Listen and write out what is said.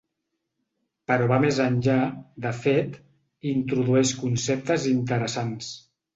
Però va més enllà, de fet, i introdueix conceptes interessants.